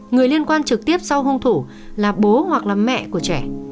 người liên quan trực tiếp sau hôn thủ là bố hoặc là mẹ của trẻ